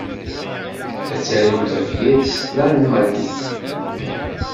Ad tarum tafyirt s tlalmanit.